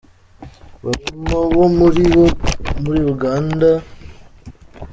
barimo wo muri wo muri Uganda.